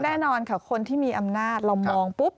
แน่นอนค่ะคนที่มีอำนาจเรามองปุ๊บ